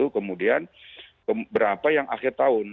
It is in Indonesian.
kemudian berapa yang akhir tahun